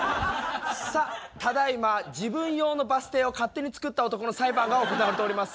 さあただいま自分用のバス停を勝手に作った男の裁判が行われております。